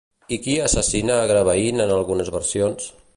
I qui assassina Agravain en algunes versions?